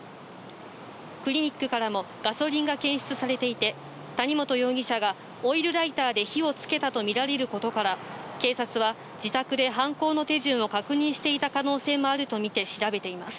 クリニックからもガソリンが検出されていて、谷本容疑者がオイルライターで火をつけたと見られることから、警察は自宅で犯行の手順を確認していた可能性もあると見て調べています。